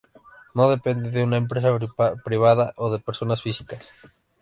No depende de una empresa privada o de personas físicas.